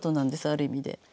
ある意味で。